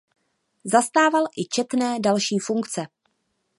Zastával i četné další funkce.